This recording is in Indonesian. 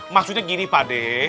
maksudnya gini pak ade